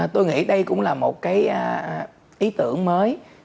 tôi nghĩ đây cũng là một cái ý tưởng mới